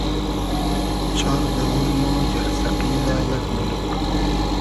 چار دئوور مۉ جئرسئقیلۂ یئگ بولوگ